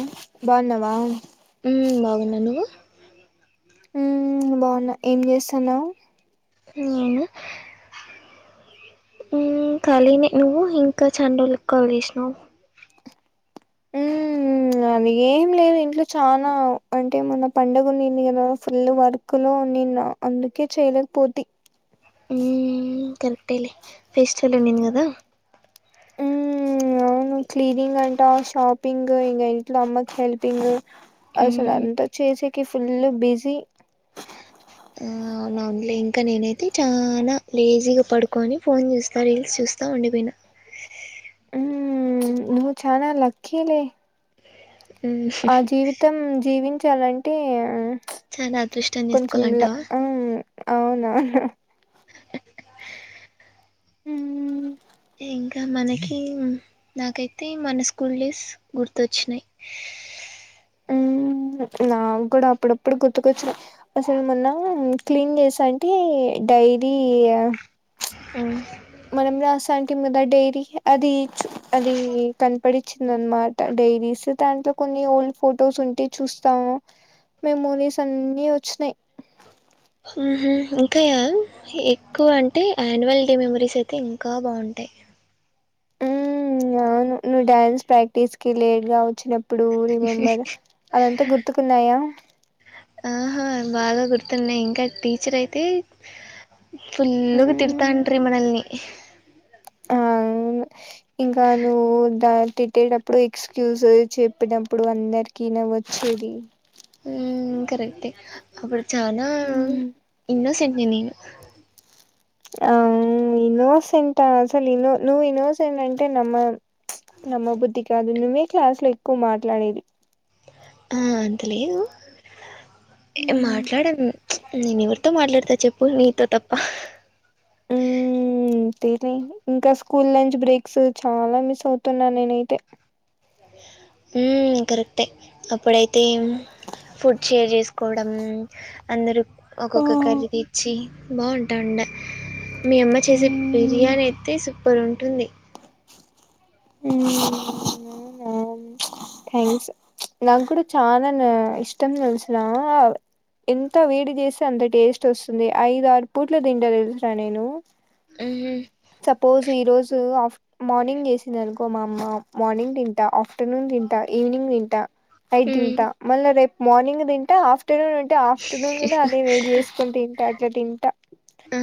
ఉ బన్నవా నను ఊ బావున్నా ఏం చేస్తున్నావ్ నేను ఊ ఖలినే నువ్వు ఇంకా చండ్రోజులకి కాల్ జేషినవ్ ఊ ఊ అది ఏం లేదు ఇంట్ల చానా అంటే ఏ మొన్న పండగ ఉనింది కదా ఫుల్ వర్క్ లో అవును నిన అందుకే చేయలేక పోతి హ్మ్ కరెక్టేలే ఫెస్టివల్ ఉండింది కదా ఊ అవునూ క్లీనింగ్ అంటా షాపింగ్ ఇంకా ఇంట్లో అమ్మకి హెల్పింగ్ అసలు ఉమ్, అంతా చేసేకి ఫుల్ బిజీ ఆ అవునా అవును లే ఇంకా నేనైతే చనా లేజీగా పడుకొని ఫోన్ చూస్తా రీల్స్ చూస్ తా ఉండిపోయిన ఊ నువ్వు చానా లక్కిలే హ్మ్ ఆ జీవితం జీవించాలంటే ప్చ్ చాలా అదృష్టం కొంచం లక్ చేసుకోవాలంటావా ఊ అవునా అవును ఊ ఇంకా మనకి నాకైతే మన స్కూల్ డేస్ గుర్తుచ్చినాయి [inaudible] నా కూడా అప్పుడప్పుడు గుర్తుకొచ్చినయ్ అసలు మొన్న క్లీన్ చేసా అంటే డైరీ ఆ అ మనం రాస అంటి మీదా డైరీ అది చు అది కనపడి వచ్చిందనమాట డైరీస్ దాంట్లో కొన్ని ఓల్డ్ ఫొటోస్ ఉంటే చూస్త మెమోరీస్ అన్ని వచ్చినయి ఇంకాయా ఎక్కువ అంటే ఆన్యువల్ డే మెమరీస్ అయితే ఇంకా బాగుం టై ఉ అనువు నువ్ డ్యాన్స్ ప్రాక్టీస్ కి లేట్గా వచ్చినప్ ప్పుడు రిమంబర్ అదంతా గుర్తుకున్నాయా ఆహా బాగా గుర్తున్నాయి ఇంకా టీచర్ అయితే ఫుల్గ తిర్తాంట్రీ మనల్ని ఆవును ఇంకా నువ్వు దా తిట్టేటప్పుడు ఎక్స్క్యజ్ చెప్పినప్పుడు అందరిక నవ్వు వచ్చి అది ఊ కరెక్ట్ ఏ అప్పుడు చానా ఇన్నో సెంట్ నేనేను ఆ ఇన్నోసెంట్ అసలు ఇన్నో నువ్వు ఇన్నోసెంట్ అంటే నమ్మలేం నమ్మ బుద్ధి కాదు నువ్వే క్లాస్ లో ఎక్కువ మాట్లాడేది అంతలేదు మాట్లాడాను ఏవర్తో మాట్లాడుతా చెప్పు నీతో తప్ప అంతేనే ఇంకా స్కూల్ లంచ్ బ్రేక్స్ చాలా మిస్ అవుతున్నా నేనైతే మ్మ్ హ్ కరెక్టే అప్పుడైతే ఫుడ్ షేర్ చేసుకోవడం అందరు ఒక్కొక్క కర్రీ తెచ్చి బాగుంటాండ మీ అమ్మ చేసే బిర్యానీ అయితే సూపర్ ఉంటుంది మ్మ్ అవును ప్చ్ థ్యాంక్స్ నాక్కూడా చాలా ఇష్టం తెలిసున ఎంత వేడి చేస్తే అంత టేస్ట్ వస్తుంది ఐదు ఆరు పూట్ల తింట తెలుసున నేను మ్మ్, సపోజ్ ఈరోజు ఆఫ్ మార్నింగ్ చేసి అనుకో మా అమ్మ మార్నింగ్ తింటా ఆఫ్టర్నూన్ తింటా ఈనింగ్ తింట నైట్ మ్మ్. తింటా మళ్ళ రేపు మార్నింగ్ తింటా ఆఫ్ ఆఫ్టర్నూన్ ఉంటే ఆఫ్టర్నూన్ ను అదే వేడి చేసుకొని తింటా అట్లా తింటా ఆ!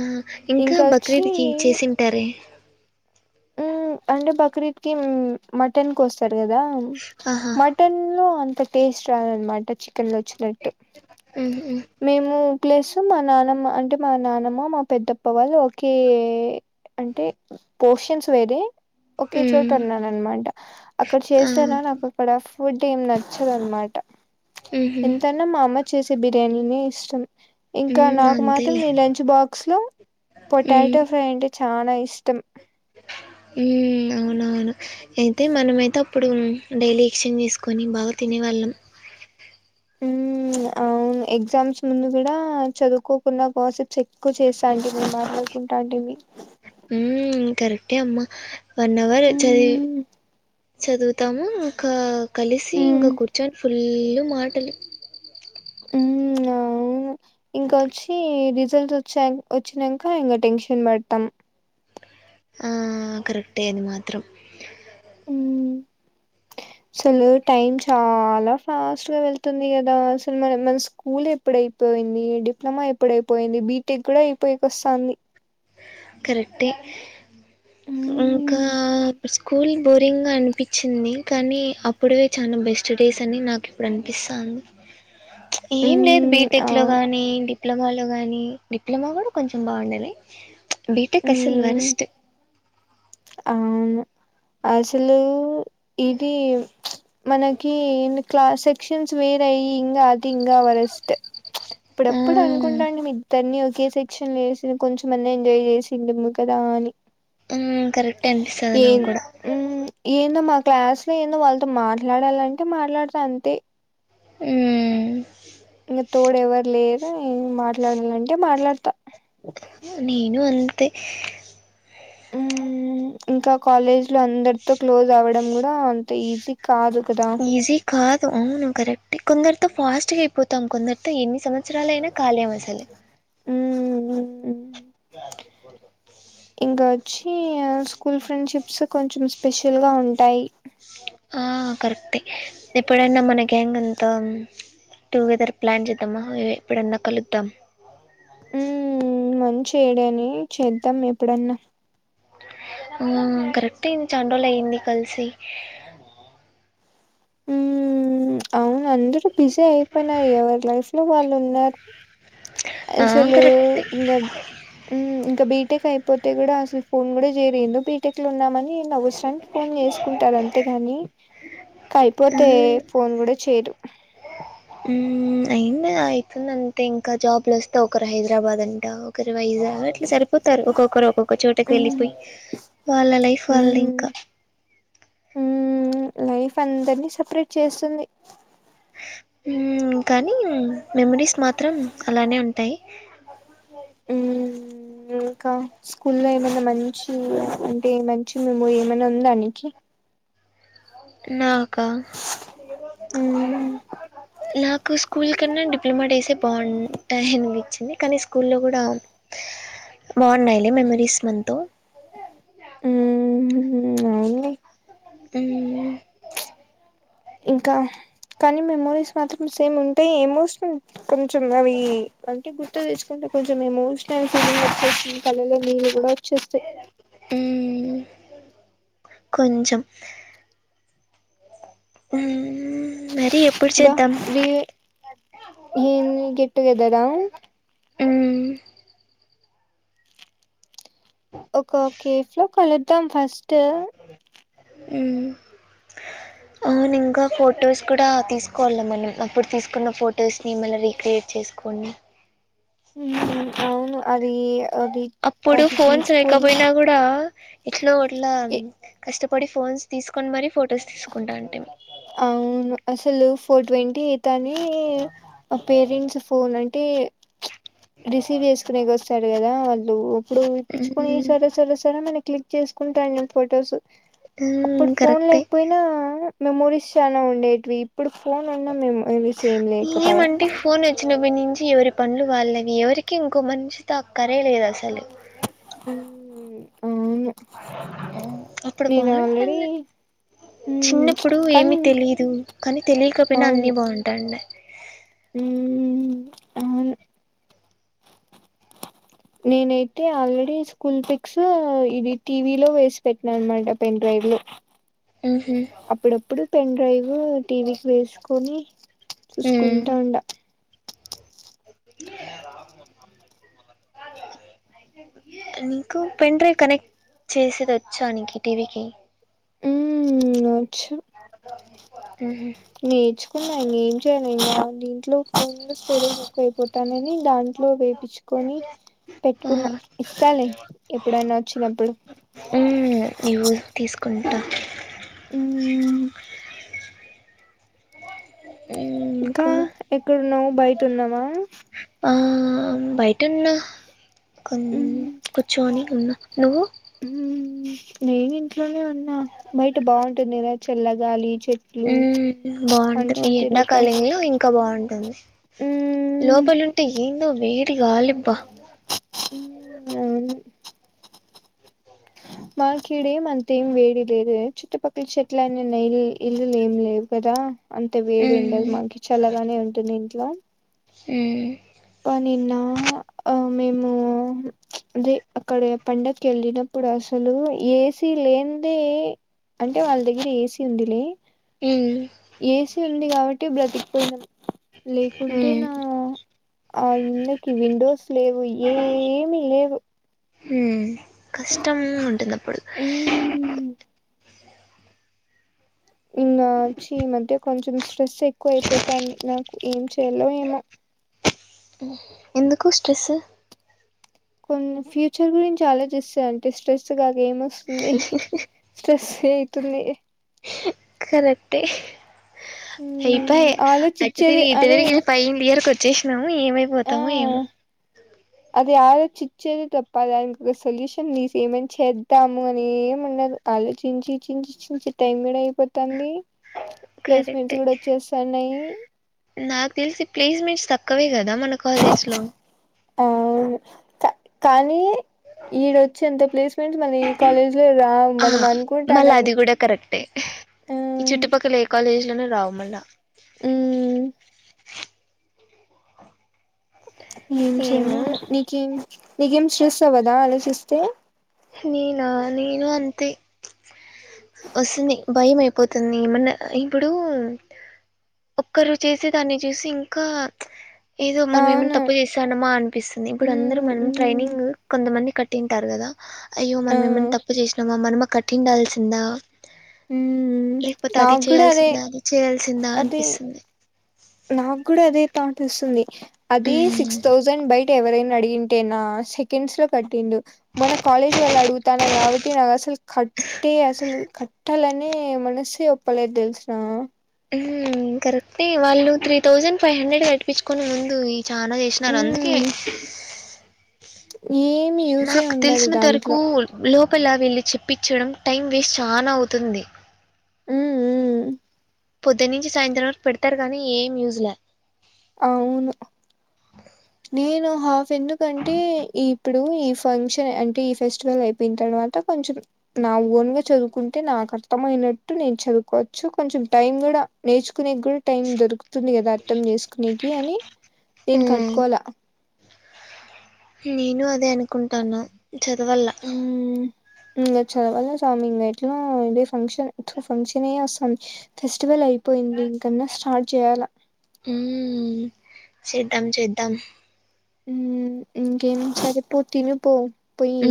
ఇంకా బక్రీద్కి చేసింటార అంటే బక్రీద్ కి మటన్ కొస్తర్ కదా ఆహా! మటన్ లో అంత టేస్ట్ రదనమాట చి కెన్ లో వచ్చినట్టు హుహు. మేము ప్లస్ మా నానమ్మ అంటే మా నానమ్మ మా పెద్దమ్మ వాళ్ళు ఒకే అంటే పోర్షన్స్ వేరే ఓకే చోట హ్మ్. ఉన్న అనమాట అక్కడ ఆ! చేసరా నాకు అక్కడ ఫుడ్ ఏమి నచ్చదనమాట హుహు. ఎంతన్నా మా అమ్మ చేసే బిర్యానీనే ఇష్టం ఇంకా హ్మ్. నాకు మాత్రం అంతేలే. నీ లంచ్ బాక్స్ లో హ్మ్. పొటాటో ఫ్రై అంటే చానా ఇష్టం అవునవును అయితే మనమయితే అప్పుడు డైలీ ఎక్స్చేంజి చేసుకొని బాగా తినే వాళ్ళం మ్మ్ అవును అవును ఎగ్జామ్స్ ముందు కూడా చదువుకోకుండా గాసిప్స్ ఎక్కువ చేస్తా అంటిమి మాట్లాడుకుంటాటిమి మ్మ్ కరెక్టే అమ్మా వన్ అవర్ చదివి మ్మ్ చదువుతాము ఇంకా కలిసి మ్మ్ ఇంకా కూర్చొని ఫుల్ మాటలు మ్మ్ అవును ఇంకొచ్చి రిజల్ట్ వచ్చినంక ఇంగ టెన్షన్ పడతాం ఆ కరెక్టే అది మాత్రం మ్మ్ అసలు టైం చాలా ఫాస్ట్ గా వెళ్తుంది కదా అసలు మన మన స్కూల్ ఎప్పుడయిపో యింది డిప్లొమా ఎప్పుడైపోయింది బీటెక్ కూడా అయిపోయిక వస్తంది కరెక్టే ఇంకా హ్మ్. స్కూల్ బోరింగ్ గా అనిపించింది కానీ అప్పుడవే చాలా బెస్ట్ డేస్ అని నాకు ఇప్పుడు అనిపిస్తంది ఏం లేదు హ్మ్. ఆ! బీటెక్ లో గానీ డిప్లొమాలో కానీ డిప్లొమా కూడా కొంచెం బాగుండేది బీ టెక్ అసలు హ్మ్. వరస్ట్ అవును అసలు ఇది మనకి క్లాస్ సెక్షన్స్ వేరయ్యి ఇంగా వరస్ట్ అప్పుడప్పుడు అనుకుంటాడిమీ ఇద్దరిని ఓకే సెక్షన్ లో వేసిన కొంతమంది ఎంజాయ్ చేసిండము కదా అని మ్మ్ హ్హ్ ఏం ఏందో మా క్లాస్ ఏమో వాళ్ళతో మాట్లాడాలంటే మాట్లాడుత అంతే హు ఏం మాట్లాడాలి అంటే మాట్లా నేను అంతే ఇంకా కాలేజ్ లో అందరితో క్లోజ్ అవ్వడం కూడా అంత ఈజీ కాదు కదా ఈజీ కాదు అవును కరెక్ట్ కొందరితో ఫాస్ట్గా అయిపోతాం కొందరితో ఎన్ని సంవత్సరాల అయినా ఖాలేం అసలు ఉమ్ హు ఇంకా వచ్చి స్కూల్ ఫ్రెండ్షిప్ సో కొంచెం స్పెషల్ గా ఉంటాయి ఆ కరెక్టే ఎప్పుడైనా మన గ్యాంగ్అంతా టుగెదర్ ప్లాన్ చేద్దామా ఎప్పుడన్నా కలుద్దాం ఉమ్ మంచి ఏడైనా చేద్దాం ఎప్పుడన్నా ఆ కరెక్ట్ అయియంది చాన్ రోజులైంది కలిసి ఉమ్ అవును అందరూ బిజీ అయిపోయినయి ఎవరు లైఫ్ లో వాళ్ళు ఆ, ఉన్నారుసలు కరెక్టే ఇంగ ఇకా బీట్ బీటెక్ అయిపోతే కూడా అసలు ఫోన్ కూడా చేయార్ బీటెక్ లో ఉన్నామని నావసరనికి ఫోన్ చేసుకుంటారు అంతేగాని ఇంకా అయిపోతే ఉమ్, ఫోన్ కూడా చేయరు ఉమ్ అయింది అవుతుంది అంతే ఇంకా జాబ్లు వస్తే ఒకరు హైదరాబాద్ అంట ఒకరు వైజాగ్ ఇట్లా సరిపోతారు ఒక్కొక్కరు ఒక్కొక్క చోటకి హ్మ్ వెళ్ళిపోయి వాళ్ళ లైఫ్ వాల్ళది ఇంకా ఉ లైఫ్ అందరినీ సపరేట్ చేస్తుంది కానీ మెమరీస్ మాత్రం అలానే ఉంటాయి ఉమ్ ఇంకా స్కూ లో ఏమైనా మంచి అంటే మంచి మెమోరీ ఏమైనా ఉందానికి నాకా నా హ్మ్ నాకు స్కూల్ కన్నా డిప్లొమా చేసే బాగుంటాయి అనిపించింది కానీ స్కూల్లో కూడా బాన్నాయిలే మెమరీస్ మంతో ఉమ్ మ్మ్ అవునులే అ ఇంకా కానీ మెమోరీస్ మాత్రం సేమ్ ఉంటాయి ఎమోషనల్ కొంచెం అవి అంటే గుర్తు తెసుకుంటే కొంచెం ఎమోషనల్ ఫీలింగ్ వచ్చేస్తాయి కళ్ళల్లోకి నీళ్లు కూడా వచ్చేస్తాయి కొంచం ఉమ్ మరి ఎప్పుడు ఇంకా చేద్దాం అ ఇన్ని గెట్టుగెదరా ఉమ్ ఒక కేఫ్ లో కలుద్దాం ఫస్ట్ అ అవున్ ఇంకా ఫొటోస్ కూడా తీసుకోవాలి మనం అప్పుడు తీసుకున్న ఫొటోస్ ని మళ రీక్రియేట్ చేసుకోవాలి అ అవును అది అది అప్పుడు అది ఫోన్స్ తీసుకొని లేకపోయినా కూడా ఇట్లో అట్ల ఎ కష్టపడి ఫోన్స్ తీసుకొని మరి ఫొటోస్ తీసుకుంటా అంటే అవును అసలు ఫోర్ ట్వంటీ కానీ ఆ పేరెంట్స్ ఫోన్ అంటే రిసీవ్ చేసుకునే వస్తాడు కదా వాళ్ళు ఇప్పుడు ఇప్పించుకొని మ్మ్ సరా సర సరే మనకి క్లిక్ చేసుకుంటాను నేను ఫొటోస్ మ్మ్ అప్పుడు ఫోన్ కరెక్టే లేకపోయినా మెమోరీ సు చాలా ఉండేటివి ఇప్పుడు ఫోన్ ఉన్నా మేము ఏమంటే ఫోన్ వచ్చ చిన్నప్ప నుంచి ఎవరి పనులు వాళ్ళవి ఎవరికి ఇంకో మంచితో అక్కరే లేదు అసలు ఊ అవును అప్పుడు బా నేను ఆల్రెడీ ఉంటుంది చిన్నప్పుడు కానీ ఏమీ తెలీదు కానీ తెలియకపోయినా అన్నీ బాగుంటాయండి ఊ అవును నేనైతే ఆల్రెడీ స్కూల్ పిక్స్ ఇవి టీ వీ లో ఏసి పెట్టిన అనమాట పెన్ డ్రైవ్ మ్హూ. అప్పుడప్పుడు పెన్ డ్రైవ్ ఊ టీవీకి వేసుకొని మ్. చూసుకుంటా ఉండ నీకు పెన్ డ్రైవ్ కనెక్ట్ చేసేది ఒచ్చా నీకి టీవీకి ఊమ్ అచ్చ ఒకే నేర్చుకున్న ఇంగ ఏం చేయ నేను రాంది ట్లో ఫుల్లు [unintelligible] ఎక్కువ అయిపోతాందని దాంట్లో వేపిచుకొని పెట్కున్న ఆహా. ఇస్తాలే ఎప్పుడైనా ఒచ్చినప్పుడు ఊమ్ ఇవ్వు తీసుకుంటా ఊమ్ ఇంకా ఎక్కడున్నావ్ బయట ఉన్నావా ఆ బయటున్నా కొన్ కూర్చోని ఉన్న నువ్వు నేను ఇంట్లోనే ఉన్నా బయట బాగుంటుందిగా చల్లగాలి చెట్లు ఊ బాగుంటుంది మనుషులు ఈ తిరుగుతా ఎండాకాలంలో ఇంకా బాగుంటుంది మ్మ్ లోపలుంటే ఏందో వేడిగాలిబ్బ ఊ అవును మాక్ ఈడేం అంతేం వేడి లేదే, చుట్టుపక్క చెట్లన్ని ఉన్నయి ఇల్లులేం లేవ్ కదా. అంత వేడి ఉండదు మ్, మాక్ చల్లగానే ఉంటుంది ఇంట్లా హూ ప నిన్నా ఆ మేము అది అక్కడే పండక్క్ ఏళ్ళేటప్పుడు అసలు ఏసీ లేందే అంటే వాళ్ దగ్గర ఏసీ ఉందిలే హ్మ్ తి ఉంది కాబట్టి బ్రతికిపోయిన మ్. లేకుంటేనా ఆ ఇళ్ళకి విండోస్ లేవు ఏం లేవు హూ కష్టం ఉంటుందప్పుడు ఉమ్ ఇంగా చీమంటే కొంచం ట్రెస్ ఎక్కువైపోతాంది నాకు ఏం చేయాల్లో ఏమో ఎందుకో స్ట్రెస్స్ కొన్ని ఫ్యూచర్ గురించి ఆలోచస్తా అంటే స్ట్రెస్ గా ఏం ఒస్సుంది స్ట్రెస్సే అయితుంది కరెక్టే అయిపాయే మ్ అటు ఆలోచిచ్చేది తరిగి ఇటు అదే తరిగి పైనలియర్ కొ చేశ్నం ఆ ఏమైపోతామో ఏమో అది ఆలోచిచ్చేది తప్పా దానికి ఒక సొల్యూషన్ మీసి ఏమన చేద్దాము అని ఏముండదు. అలోచించి చించి చించి టైం గూడ పోతాంది ప్లెస్ మిన్స్ కరెక్టే కూడా వచ్చేస్తాన్నయి సక్కవే గదా మన కాలేజ్ లో ఆవును క కానీ ఈడ ఒచ్చేంత ప్లేస్మెంట్స్ మళ ఏ కాలేజ్ లో రావ్ ఆ మనం మళ్ళా అనుకుంటానమ్మి అది కూడా కరెక్టే ఈ చుట్టుపక్కల ఏ కాలేజ్ లోను రావ్ మళ్ళ ఊ ఏం ఏమో చేయను నీకేం నీకేం స్ట్రెస్ అవ్వదా ఆలోచిస్తే నీనా నీను అంతే వస్తుంది భయం అయిపోతుంది ఏమన్న ఇప్పుడు ఒక్కరు చేసి దాన్ని చూసి ఇంకా ఏదో మనం ఏమైనా అవును తప్పు చేశానమా అ అనిపిస్తుంది ఇప్పుడు అందరు ఉమ్ మనం ఉమ్ ట్రైనింగ్ కొంతమంది కట్టింటారు కదా అయ్యో ఆ మనమ ఏమన్నా తప్పు చేసినామా మనమా కట్టిండాల్సిందా ఉమ్ లేకపోతే అది నాకు కూడా అదే చేయాల్సిందా అది చేయాల్సిందా అదే అనిపిస్తుంది నాకు కూడా అదే థాటోస్తుంది అదే మ్మ్ సిక్స్ థౌసండ్ బయటేవరైనా అడిగింటే నా సెకండ్స్ లో కట్టిండు మన కాలేజ్ వాళ్ళు అడుగుతాన్నారు కాబట్టి నాకు అసలు క ట్టే అసలు కట్టాలనే మనసే ఒప్పలేదు తెలిసిన హుమ్ కరెక్టే వాళ్ళు త్రీ థౌజండ్ ఫైవ్ హండ్రెడ్ కటిపించుకొని ముందు చానా చేసినారు అందుకే ఉమ్ ఏమి యూజే నాక్ ఉండదు తెలిసినంత వరకు దాంట్లో లో లోపల వీళ్ళు చెప్పించడం టైం వేస్ట్ చానా అవుతుంది ఊ ఊ పొద్దు నుంచి సాయంత్రం వరకు పెడతారు కానీ యూజ్ లా అవును నేను హాఫ్ ఎందుకంటే ఈ ఇప్పుడు ఈ ఫంక్షన్ అంటే ఈ ఫెస్టివల్ అయిపోయిన తర్వాత కొంచెం నా ఓన్ గా చదువుకుంటే నా అర్థమయినట్టు నేను చదువుకోవచ్చు కొంచం టైం కూడా నేర్చుకునే కూడా టైం దొరుకుతుంది కదా అర్థం చే కునేకి అని నేన్ ఉమ్, కట్టుకోలే నేను అదే అనుకుంటాన్న చదవల్ల ఇంకా చదవల్ల స్వామి ఇంకా ఎట్లా అదే ఫంక్షన్ తూ ఫంక్షన్ ఏ వస్తాంది ఫెస్టివల్ అయిపోయింది ఇంకన్న స్టార్ట్ చేయాల్లా సేద్ధం చేద్ధం ఉ ఇంకేం సరే పో తిను పో పోయి ఊ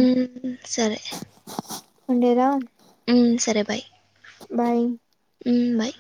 సరే ఉండేదా ఉ సరే బాయ్ బాయ్ ఊ బాయ్